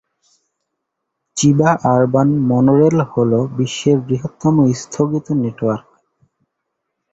Chiba urban monorail হ'ল বিশ্বের বৃহত্তম স্থগিত নেটওয়ার্ক।